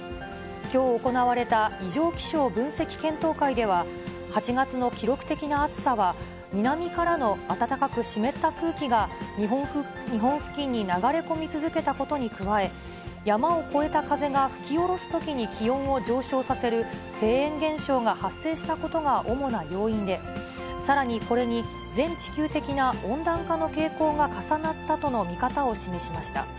きょう行われた異常気象分析検討会では、８月の記録的な暑さは、南からの暖かく湿った空気が、日本付近に流れ込み続けたことに加え、山を越えた風が吹き下ろすときに気温を上昇させるフェーン現象が発生したことが主な要因で、さらに、これに全地球的な温暖化の傾向が重なったとの見方を示しました。